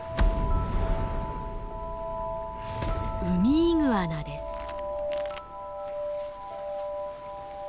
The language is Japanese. ウミイグアナです。